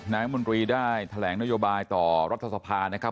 รัฐมนตรีได้แถลงนโยบายต่อรัฐสภานะครับ